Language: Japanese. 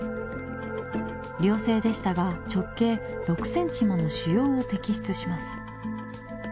良性でしたが直径６センチもの腫瘍を摘出します。